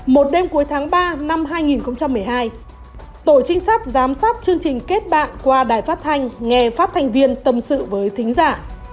một đêm cuối tháng ba năm hai nghìn một mươi hai tổ trinh sát giám sát chương trình kết bạn qua đài phát thanh nghe phát thành viên tâm sự với thính giả